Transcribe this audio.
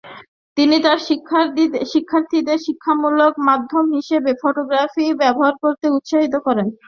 তিনি তার শিক্ষার্থীদের শিক্ষামূলক মাধ্যম হিসেবে ফটোগ্রাফি ব্যবহার করতে উৎসাহিত করেন।